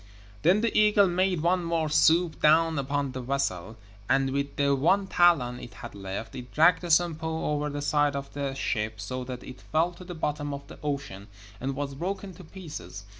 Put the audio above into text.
Then the eagle made one more swoop down upon the vessel, and, with the one talon it had left, it dragged the Sampo over the side of the ship so that it fell to the bottom of the ocean and was broken to pieces.